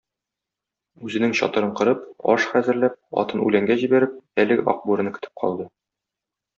Үзенең чатырын корып, аш хәзерләп, атын үләнгә җибәреп, әлеге Ак бүрене көтеп калды.